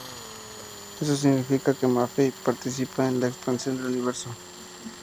Eso significa que Maffei I participa en la expansión del universo.